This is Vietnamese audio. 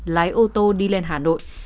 lái ô tô đi lên hà nội